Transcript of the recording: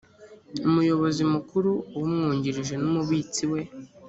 umuyobozi mukuru umwungirije n umubitsi we